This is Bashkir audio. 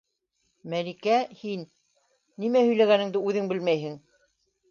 Мәликә, һин... нимә һөйләгәнеңде үҙең белмәйһең!